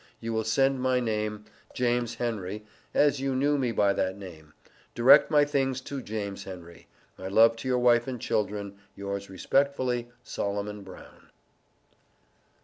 You will send my name, James Henry, as you knew me by that name; direct my things to James Henry. My love to your wife and children. Yours Respectfully, SOLOMON BROWN.